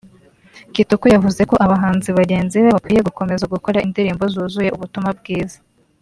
Kitoko yavuze ko abahanzi bagenzi be bakwiye gukomeza gukora indirimbo zuzuye ubutumwa bwiza